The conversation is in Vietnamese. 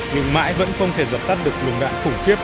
nhưng mãi vẫn không thể dập tắt được lùng đạn khủng khiếp